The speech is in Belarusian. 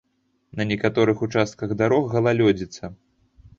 На некаторых участках дарог галалёдзіца.